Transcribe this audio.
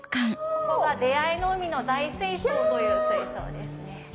ここが「出会いの海の大水槽」という水槽ですね。